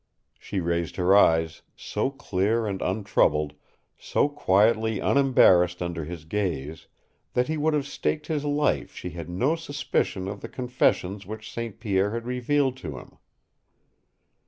She raised her eyes, so clear and untroubled, so quietly unembarrassed under his gaze, that he would have staked his life she had no suspicion of the confessions which St. Pierre had revealed to him.